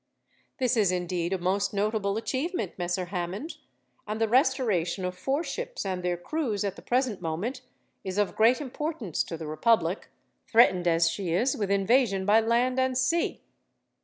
"This is indeed a most notable achievement, Messer Hammond, and the restoration of four ships and their crews, at the present moment, is of great importance to the republic, threatened as she is with invasion by land and sea.